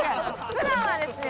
普段はですね